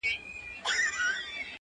ها جلوه دار حُسن په ټوله ښاريه کي نسته ـ